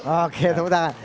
oke tepuk tangan